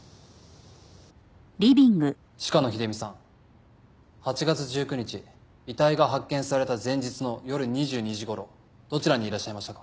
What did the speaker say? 鹿野秀美さん８月１９日遺体が発見された前日の夜２２時頃どちらにいらっしゃいましたか？